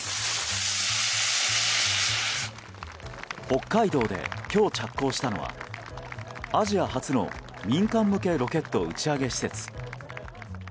北海道で今日着工したのはアジア初の民間向けロケット打ち上げ施設。